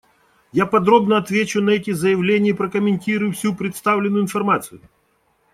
Я подробно отвечу на эти заявления и прокомментирую всю представленную информацию.